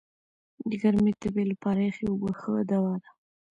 د ګرمي تبي لپاره یخي اوبه ښه دوا ده.